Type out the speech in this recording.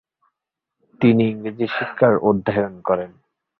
তিনি ইংরেজি শিক্ষার অধ্যয়ন করেন।